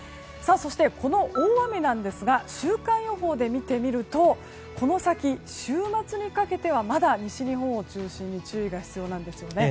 そして、この大雨なんですが週間予報で見てみるとこの先、週末にかけてはまだ西日本を中心に注意が必要なんですね。